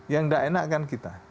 yang tidak enak kan kita